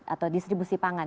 atau distribusi pangan